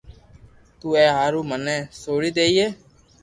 تو اي ھارو مني سوڙي ديئي